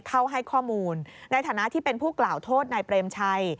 เข้าให้ข้อมูลในฐานะที่เป็นผู้กล่าวโทษนายเปรมชัย